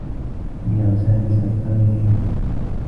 لم يعد سامي صديقا لليلى.